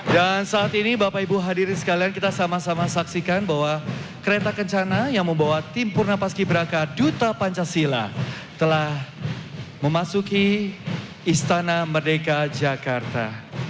dan saat ini bapak ibu hadirin sekalian kita sama sama saksikan bahwa kereta kencana yang membawa tim purna paski braka duta pancasila telah memasuki istana merdeka jakarta